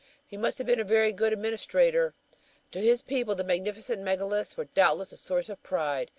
He must have been a very good administrator. To his people the magnificent megaliths were doubtless a source of pride.